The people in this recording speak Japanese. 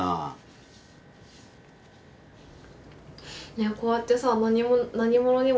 ねえこうやってさ何で？